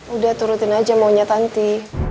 udah turutin aja maunya tanti